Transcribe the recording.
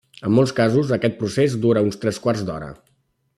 En molts casos, aquest procés dura uns tres quarts d'hora.